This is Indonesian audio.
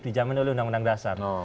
dijamin oleh undang undang dasar